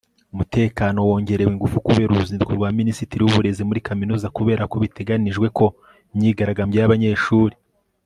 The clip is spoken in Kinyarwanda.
Umutekano wongerewe ingufu kubera uruzinduko rwa minisitiri wuburezi muri kaminuza kubera ko biteganijwe ko imyigaragambyo yabanyeshuri